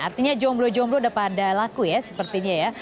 artinya jomblo jomblo udah pada laku ya sepertinya ya